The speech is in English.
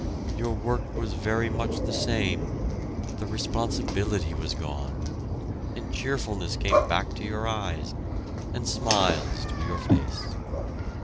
Your work was very much the same, but the responsibility was gone, and cheerfulness came back to your eyes, and smiles to your face.